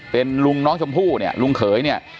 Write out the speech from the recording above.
เป็นลุงน้องชมพู่ลุงเขย